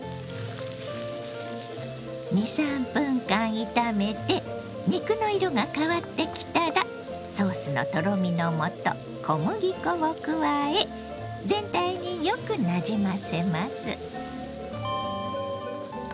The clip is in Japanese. ２３分間炒めて肉の色が変わってきたらソースのとろみのもと小麦粉を加え全体によくなじませます。